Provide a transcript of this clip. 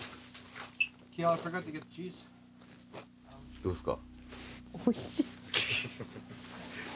どうっすか？